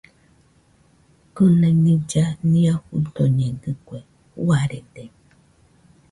Kɨnai nilla nia fuidoñedɨkue, juarede.